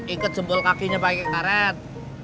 ikut jempol kakinya pakai karet